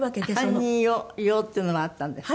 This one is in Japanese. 犯人用っていうのもあったんですって？